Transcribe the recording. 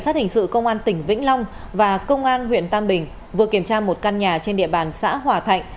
sát hình sự công an tỉnh vĩnh long và công an huyện tam bình vừa kiểm tra một căn nhà trên địa bàn xã hòa thạnh